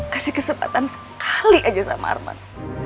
kasih kesempatan sekali aja sama arman